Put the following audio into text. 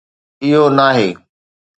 اھو ناھي